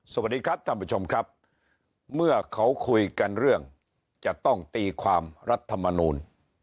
สวัสดีครับท่านผู้ชมครับเมื่อเขาคุยกันเรื่องจะต้องตีความรัฐมนูล